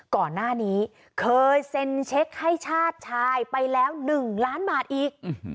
ก่อนหน้านี้เคยเซ็นเช็คให้ชาติชายไปแล้ว๑ล้านบาทอีก